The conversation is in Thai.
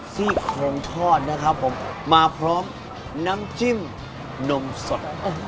ซี่โครงทอดนะครับผมมาพร้อมน้ำจิ้มนมสด